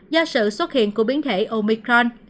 do sự xuất hiện của biến thể omicron